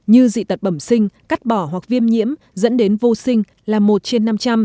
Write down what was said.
như dị tật bẩm sinh cắt bỏ hoặc viêm nhiễm dẫn đến vô sinh là một trên năm trăm linh